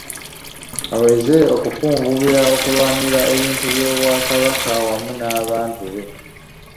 Aweze okufunvubira okulwanirira ebintu by’Obwakabaka wamu n’abantu be.